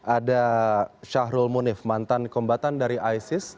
ada syahrul munif mantan kombatan dari isis